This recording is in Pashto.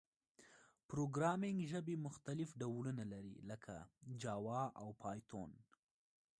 پروګرامینګ ژبي مختلف ډولونه لري، لکه جاوا او پایتون.